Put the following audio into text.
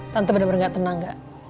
tante bener bener gak tenang gak